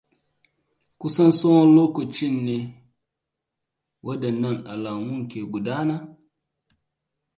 kusan tsawon lokacin ne waɗannan alamun ke gudana?